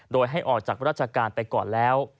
โดยให้ออกจากราชการไปก่อนแล้ว